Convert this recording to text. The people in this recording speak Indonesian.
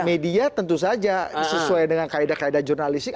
media tentu saja sesuai dengan kaedah kaedah jurnalistik